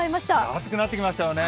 暑くなってきましたよね。